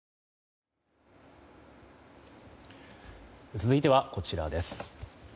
続いてはこちらです。